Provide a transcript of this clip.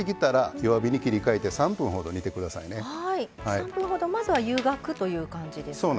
３分ほどまずは湯がくという感じですね。